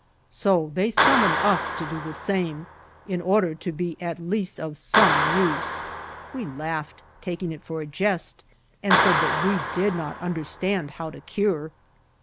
So they summoned us to do the same in order to be at least of some use. We laughed, taking it for a jest, and said that we did not understand how to cure.